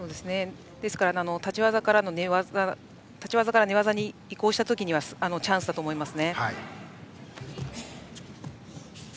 ですから立ち技から寝技に移行した時はチャンスだと思います。